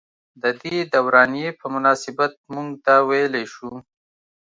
ددې دورانيې پۀ مناسبت مونږدا وئيلی شو ۔